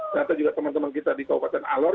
ternyata juga teman teman kita di kabupaten alor